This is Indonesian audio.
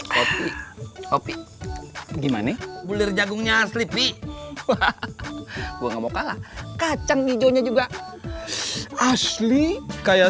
kopi kopi gimana bulir jagungnya aslipi gua nggak mau kalah kacang hijaunya juga asli kayak